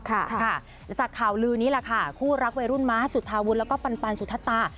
ครับค่ะสัตว์ข่าวลือนี้ล่ะค่ะคู่รักวัยรุ่นมาจุธาวุชและก็ปันปันสุธาตา